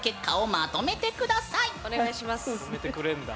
まとめてくれんだ。